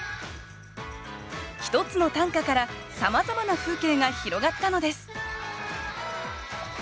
１つの短歌からさまざまな風景が広がったのです